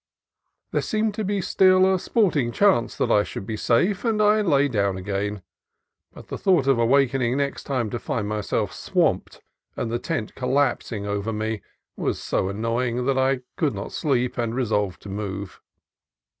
There seemed to be still a "sport ing chance" that I should be safe, and I lay down again; but the thought of awaking next time to find myself swamped and the tent collapsing over me was so annoying that I could not sleep and re solved to move.